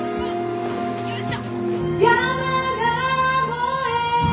よいしょっ！